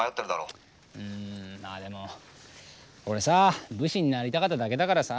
うんまあでも俺さ武士になりたかっただけだからさ。